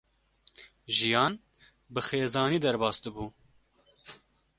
Jiyan bi xêzanî derbas dibû.